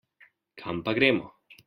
Kam pa gremo?